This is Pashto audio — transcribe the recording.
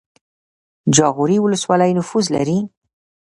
جاغوری ولسوالۍ نفوس لري؟